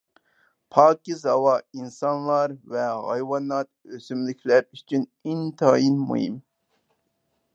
پاكىز ھاۋا ئىنسانلار ۋە ھايۋانات، ئۆسۈملۈكلەر ئۈچۈن ئىنتايىن مۇھىم.